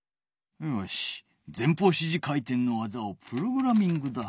よし前方支持回転の技をプログラミングだ。